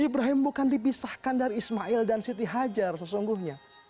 ibrahim bukan dipisahkan dari ismail dan siti hajar sesungguhnya